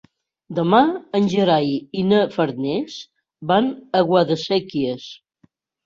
Demà en Gerai i na Farners van a Guadasséquies.